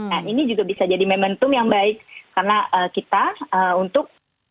nah ini juga bisa jadi momentum yang baik karena kita untuk